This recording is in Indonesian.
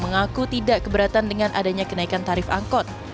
mengaku tidak keberatan dengan adanya kenaikan tarif angkot